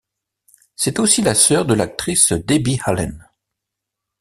C'est aussi la sœur de l'actrice Debbie Allen.